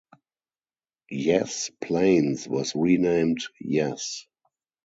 Yass Plains was renamed Yass.